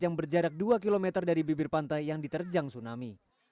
yang berjarak dua km dari bibir pantai yang diterjang tsunami